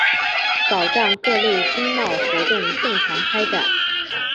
保障各类经贸活动正常开展